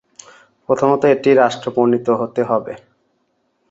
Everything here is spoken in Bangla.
প্রথমত এটি রাষ্ট্র প্রণীত হতে হবে।